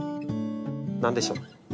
何でしょう？